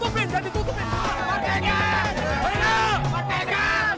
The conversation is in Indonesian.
boleh lihat jangan ditutupin jangan ditutupin